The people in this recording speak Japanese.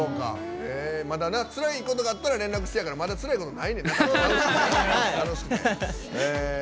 つらいことがあったら連絡してやからまだつらいことないねんな。